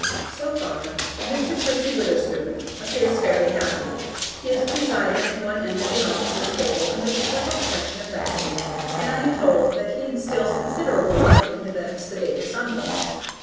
So far Mr. Percy Witherspoon appears fairly happy. He is presiding at one end of the officers' table under the special protection of Betsy, and I am told that he instills considerable life into that sedate assemblage.